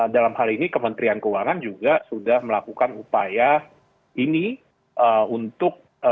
dalam hal ini kementerian keuangan juga sudah melakukan upaya ini untuk